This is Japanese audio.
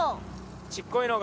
ちっこいのが。